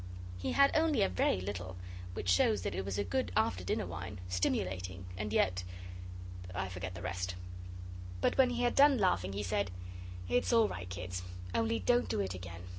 He had only a very little, which shows that it was a good after dinner wine, stimulating, and yet ...I forget the rest. But when he had done laughing he said, 'It's all right, kids. Only don't do it again.